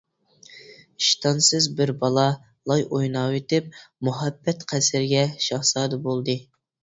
ئىشتانسىز بىر بالا لاي ئويناۋېتىپ، مۇھەببەت قەسرىگە شاھزادە بولدى.